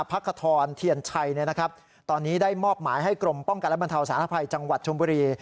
พักขทรเทียนชัยตอนนี้ได้มอบหมายให้กรมป้องกันและบรรเทาสารภัยจังหวัดชมบุรี